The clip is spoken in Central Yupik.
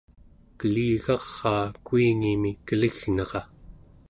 keligaraa kuingimi kelignera